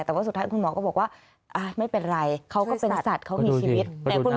แต่ว่าสุดท้ายคุณหมอก็บอกว่าไม่เป็นไรเขาก็เป็นสัตว์เขามีชีวิต